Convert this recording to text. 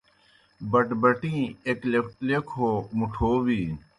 بَٹبَٹِیں ایْک لیکھوْ ہو مُٹَھوٗ بِینوْ۔